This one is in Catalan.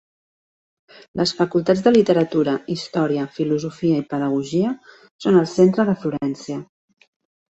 Les facultats de Literatura, Història, Filosofia i Pedagogia són al centre de Florència.